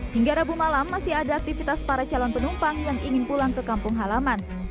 hingga rabu malam masih ada aktivitas para calon penumpang yang ingin pulang ke kampung halaman